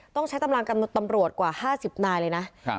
ต้องใช้ตำรางกำลังตำรวจกว่าห้าสิบนายเลยนะครับ